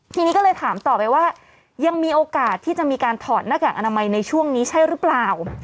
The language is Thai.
ทีนี้ก็เลยถามต่อไปว่ายังมีโอกาสที่จะมีการถอดหน้ากากอนามัยในช่วงนี้ใช่หรือเปล่า